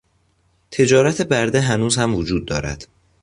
تجارت برده هنوز هم وجود دارد.